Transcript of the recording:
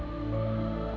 aku akan mencari